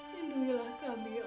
medan adalah hospital